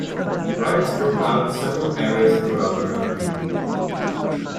Riots broke out in several areas throughout the country.